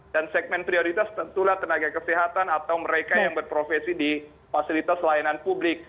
dan segmen prioritas tentulah tenaga kesehatan atau mereka yang berprofesi di fasilitas layanan publik